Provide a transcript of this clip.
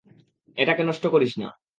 এটাকে নষ্ট করিস না।